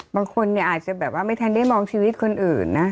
บางคนอาจจะไม่ทันได้มองชีวิตคนอื่นนะ